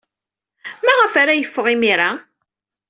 Maɣef ara yeffeɣ imir-a?